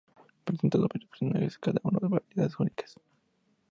Presentando varios personajes, cada uno con habilidades únicas.